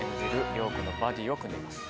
涼子とバディを組んでいます。